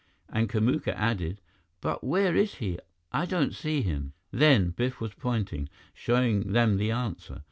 and Kamuka added, "But where is he? I don't see him?" Then, Biff was pointing, showing them the answer.